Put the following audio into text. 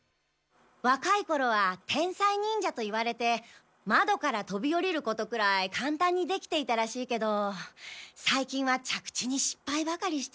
わかいころは天才忍者と言われてまどからとびおりることくらいかんたんにできていたらしいけどさいきんは着地にしっぱいばかりして。